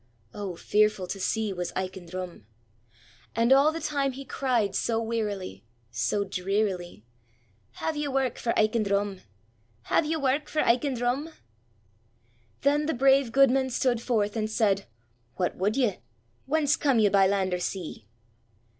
Oh, fearful to see was Aiken Drum! And all the time he cried so wearily, so drearily: "Have ye work for Aiken Drum? Have ye work for Aiken Drum?" Then the brave goodman stood forth, and said: "What would you? Whence come you by land or sea?"